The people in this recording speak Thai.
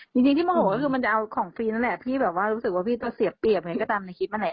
จริงที่โมโหก็คือมันจะเอาของฟรีนั่นแหละพี่แบบว่ารู้สึกว่าพี่จะเสียเปรียบไงก็ตามในคลิปนั่นแหละ